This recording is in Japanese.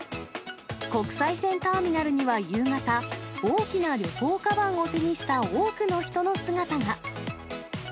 国際線ターミナルには夕方、大きな旅行かばんを手にした多くの人の姿が。